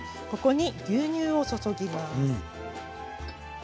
ここに牛乳を注ぎます。